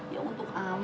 ya untuk ambu abah